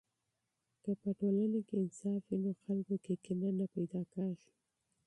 که په ټولنه کې انصاف وي، نو خلکو کې کینه نه پیدا کیږي.